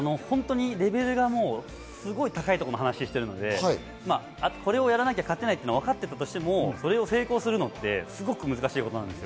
レベルがすごく高いところの話をしているので、これをやらなきゃ勝てないと分かっていたとしても、それを成功するのってすごく難しいことなんですよ。